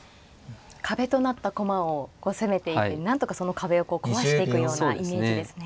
壁となった駒を攻めていってなんとかその壁を壊していくようなイメージですね。